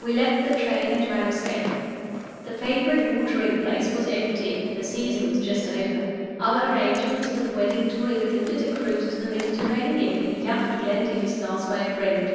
We left the train at Ramsgate. The favorite watering place was empty; the season was just over. Our arrangements for the wedding tour included a cruise to the Mediterranean in a yacht lent to Eustace by a friend.